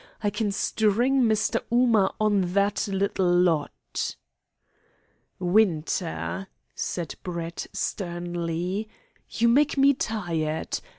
I can string Mr. Ooma on that little lot." "Winter," said Brett sternly, "you make me tired.